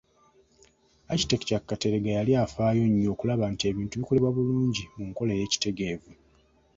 Architect Kateregga yali afaayo nnyo okulaba nti ebintu bikolebwa bulungi mu nkola ey’ekitegeevu.